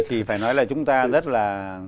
thì phải nói là chúng ta rất là